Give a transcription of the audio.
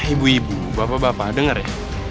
ibu ibu bapak bapak dengar ya